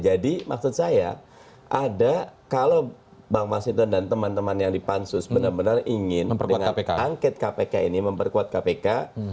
jadi maksud saya ada kalau bang mas hidon dan teman teman yang di pansus benar benar ingin dengan angket kpk ini memperkuat kpk